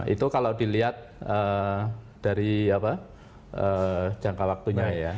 itu kalau dilihat dari jangka waktunya ya